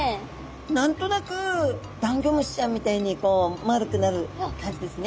何となくダンギョムシちゃんみたいにこう丸くなる感じですね。